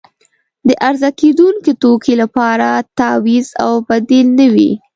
د عرضه کیدونکې توکي لپاره تعویض او بدیل نه وي.